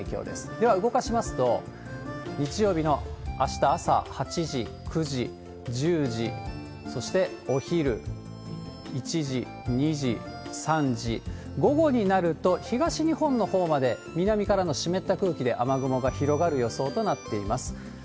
では、動かしますと、日曜日のあした朝８時、９時、１０時、そしてお昼、１時、２時、３時、午後になると、東日本のほうまで南からの湿った空気で雨雲が広がる予想となっています。